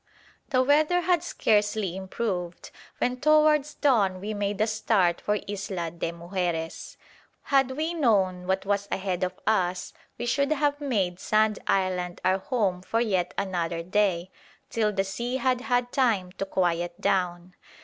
The weather had scarcely improved when towards dawn we made a start for Isla de Mujeres. Had we known what was ahead of us, we should have made Sand Island our home for yet another day, till the sea had had time to quiet down.